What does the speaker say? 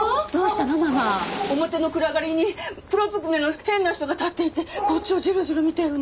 表の暗がりに黒ずくめの変な人が立っていてこっちをジロジロ見てるの。